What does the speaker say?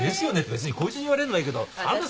別にこいつに言われるのはいいけどあなた。